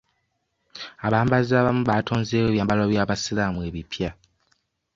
Abambazi abamu batonzeewo ebyambalo by'abasiraamu ebipya.